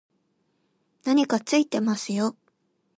何かついてますよ